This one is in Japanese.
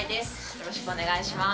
よろしくお願いします。